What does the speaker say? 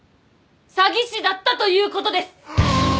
詐欺師だったということです！